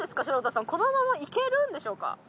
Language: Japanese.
白田さんこのまま行けるんでしょうか？